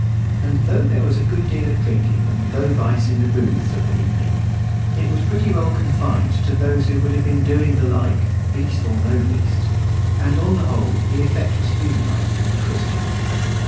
And though there was a good deal of drinking and low vice in the booths of an evening, it was pretty well confined to those who would have been doing the like, "veast or no veast;" and on the whole, the effect was humanising and Christian.